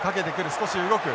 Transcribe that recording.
少し動く。